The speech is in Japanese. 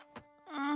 うん。